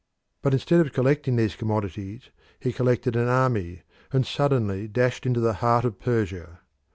But instead of collecting these commodities he collected an army, and suddenly dashed into the heart of Persia.